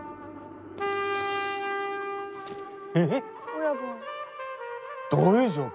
ええ？どういう状況？